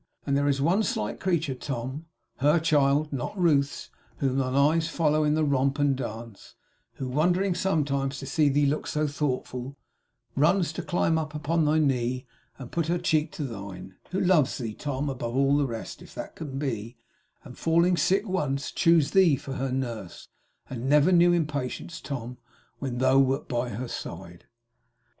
And there is one slight creature, Tom her child; not Ruth's whom thine eyes follow in the romp and dance; who, wondering sometimes to see thee look so thoughtful, runs to climb up on thy knee, and put her cheek to thine; who loves thee, Tom, above the rest, if that can be; and falling sick once, chose thee for her nurse, and never knew impatience, Tom, when thou wert by her side.